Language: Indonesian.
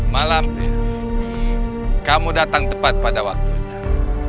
mak lampir kamu datang tepat pada waktunya